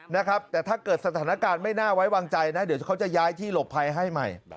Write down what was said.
นะครับแต่ถ้าเกิดสถานการณ์ไม่น่าไว้วางใจนะเดี๋ยวเขาจะย้ายที่หลบภัยให้ใหม่